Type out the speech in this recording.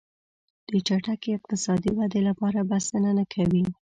د چټکې اقتصادي ودې لپاره بسنه نه کوي.